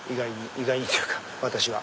意外にっていうか私は。